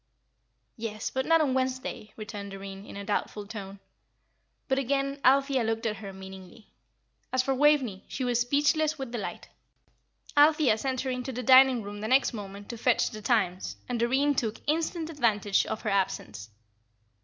"Yes, but not on Wednesday," returned Doreen, in a doubtful tone. But again Althea looked at her meaningly. As for Waveney, she was speechless with delight. Althea sent her into the dining room the next moment to fetch the Times and Doreen took instant advantage of her absence.